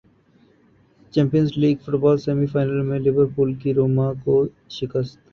champions league football semi final میں Liverpool کی روما کو شکست